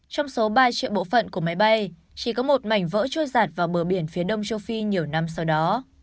trong số ba triệu bộ phận của máy bay chỉ có một mảnh vỡ trôi giạt vào bờ biển phía đông châu phi nhiều năm sau đó